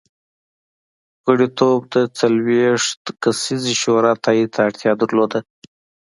غړیتوب د څلوېښت کسیزې شورا تایید ته اړتیا درلوده